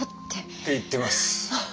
って言ってます。